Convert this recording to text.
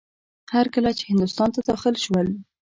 هر کله چې هندوستان ته داخل شول.